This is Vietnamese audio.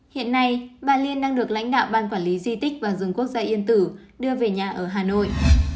hiện nay bà liên đang được lãnh đạo ban quản lý di tích và rừng quốc gia yên tử đưa về nhà ở hà nội